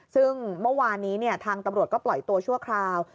ซึ่งเมื่อวานนี้ทางตำรวจก็ปล่อยตัวชั่วคราว